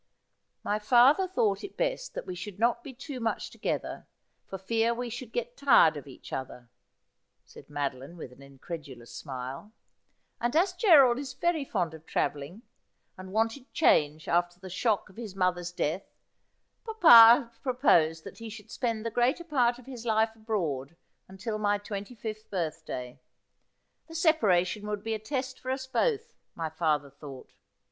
' My father thought it best that we should not be too much together, for fear we should get tired of each other,' said Mado line, with an incredulous smile ;' and as Gerald is very fond of travelling, and wanted change after the shock of his mother's death, papa proposed that he should spend the greater part of his life abroad until my twenty fifth birthday. The separation would be a test for us both, my father thought.'